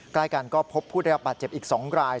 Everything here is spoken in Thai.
ใกล้กันก็พบผู้ได้รับบาดเจ็บอีก๒ราย